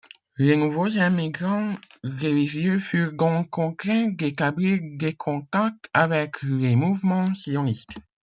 Les nouveaux immigrants religieux furent donc contraints d'établir des contacts avec le mouvement sioniste.